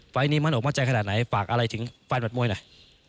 นี้มั่นอกมั่นใจขนาดไหนฝากอะไรถึงแฟนมัดมวยหน่อย